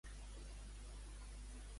Per què destaca la Universitat de Miskatonic?